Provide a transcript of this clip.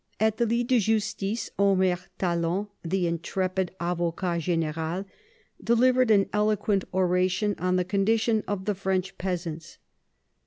At the lit de justice, Omer Talon, the intrepid avocat gSn^al, delivered an eloquent oration on the condition of the French peasants.